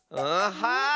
はい！